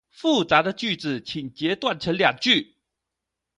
複雜的句子請截斷成兩句